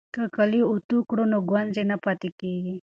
که کالي اوتو کړو نو ګونځې نه پاتې کیږي.